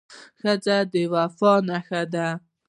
ښځه د وفا نښه ده.